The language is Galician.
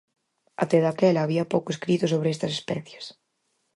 Até daquela había pouco escrito sobre estas especies.